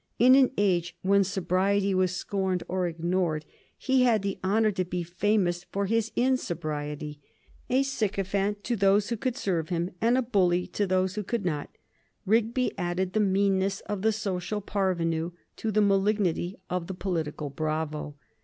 In an age when sobriety was scorned or ignored he had the honor to be famous for his insobriety. A sycophant to those who could serve him and a bully to those who could not, Rigby added the meanness of the social parvenu to the malignity of the political bravo.